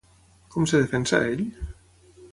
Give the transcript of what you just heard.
Com es defensa, ell?